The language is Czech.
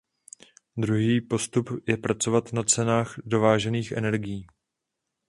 Druhý postup je pracovat na cenách dovážených energií.